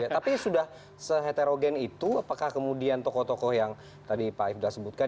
tapi sudah se heterogen itu apakah kemudian tokoh tokoh yang tadi pak if dah sebutkan